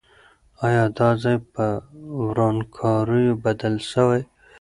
آیا دا ځای په ورانکاریو بدل سوی؟